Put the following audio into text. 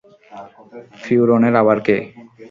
ফিওরনের আবার কে?